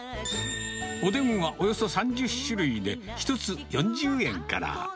おでんはおよそ３０種類で、１つ４０円から。